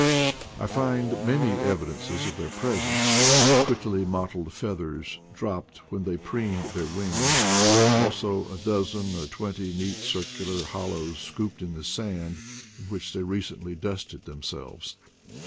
I find many evidences of their presence — prettily mottled feathers dropped when they preened their wings, also a dozen or twenty neat circular hol lows scooped in the sand in which they recently dusted themselves.